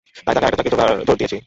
তাই তাকে আরেকটা চাকরির জোর দিয়েছি।